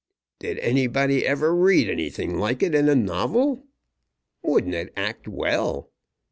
Did anybody ever read anything like it in a novel? Wouldn't it act well?